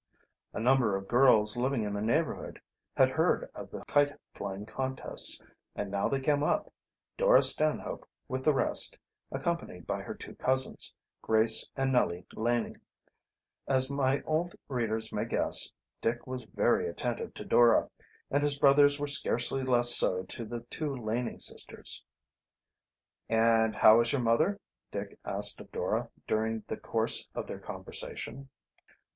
A number of girls living in the neighborhood, bad heard of the kite flying contests, and now they came up, Dora Stanhope with the rest, accompanied by her two cousins, Grace and Nellie Laning. As my old readers may guess, Dick was very attentive to Dora, and his brothers were scarcely less so to the two Laning sisters. "And how is your mother?" Dick asked of Dora, during the course of their conversation.